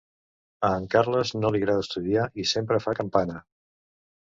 A en Carles no li agrada estudiar i sempre fa campana: